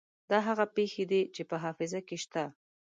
دا هغه پېښې دي چې په حافظه کې شته.